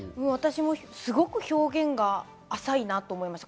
すごく表現が浅いなと思います。